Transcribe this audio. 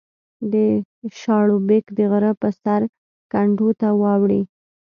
د شاړوبېک د غره په سر کنډو ته واوړې